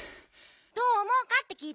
どうおもうかってきいてんの。